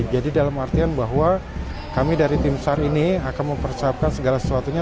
jadi dalam artian bahwa kami dari tim sar ini akan mempersiapkan segala sesuatunya